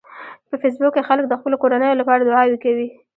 په فېسبوک کې خلک د خپلو کورنیو لپاره دعاوې کوي